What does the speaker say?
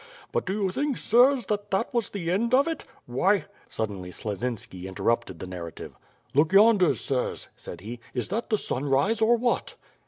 But do you think, sirs, that that was the end of it? Why. ..." Suddenly Slezinski interrupted the narrative. "Look yonder sirs," said he, "is that the sunrise or what?"